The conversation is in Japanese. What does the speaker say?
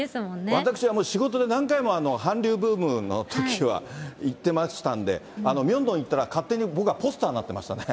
私は、仕事で何回も韓流ブームのときは行ってましたんで、ミョンドン行ったら、勝手に僕はポスターになってましたね。